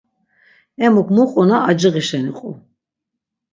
Emuk mu quna aciği şeni qu.